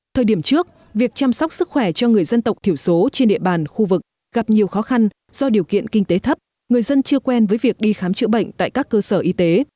thời điểm trước việc chăm sóc sức khỏe cho người dân tộc thiểu số trên địa bàn khu vực gặp nhiều khó khăn do điều kiện kinh tế thấp người dân chưa quen với việc đi khám chữa bệnh tại các cơ sở y tế